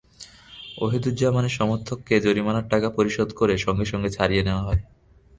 ওহিদুজ্জামানের সমর্থককে জরিমানার টাকা পরিশোধ করে সঙ্গে সঙ্গে ছাড়িয়ে নেওয়া হয়।